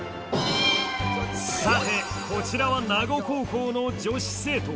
さてこちらは名護高校の女子生徒。